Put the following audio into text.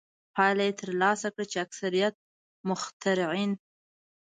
پایله یې ترلاسه کړه چې اکثریت مخترعین.